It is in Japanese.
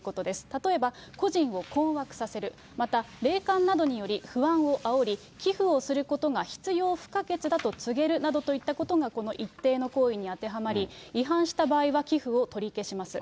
例えば個人を困惑させる、また霊感などにより不安をあおり、寄付をすることが必要不可欠だと告げるなどといったことが、この一定の行為に当てはまり、違反した場合は寄付を取り消します。